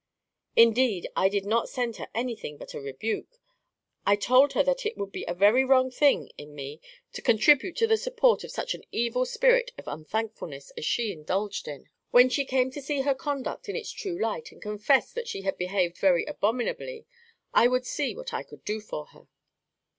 "Indeed, I did not send her anything but a rebuke. I told her that it would be a very wrong thing in me to contribute to the support of such an evil spirit of unthankfulness as she indulged in. When she came to see her conduct in its true light, and confessed that she had behaved very abominably, I would see what I could do for her."